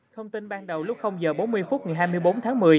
thông tin ban đầu lúc h bốn mươi phút ngày hai mươi bốn tháng một mươi